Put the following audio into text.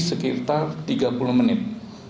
sekitar tiga puluh menit